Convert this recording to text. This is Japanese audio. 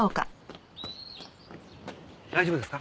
大丈夫ですか？